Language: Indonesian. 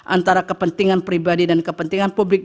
antara kepentingan pribadi dan kepentingan publik